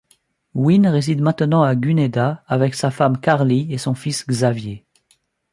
Wynne réside maintenant à Gunnedah avec sa femme Carly et son fils Xavier.